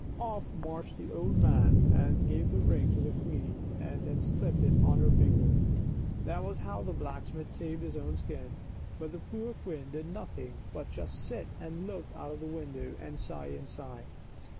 Off marched the old man and gave the ring to the queen, and she slipped it on her finger. That was how the blacksmith saved his own skin ; but the poor queen did nothing but just sit and look out of the window, and sigh and sigh.